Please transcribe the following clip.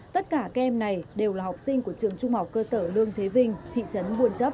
tất cả các em này đều là học sinh của trường trung học cơ sở lương thế vinh thị trấn buôn chấp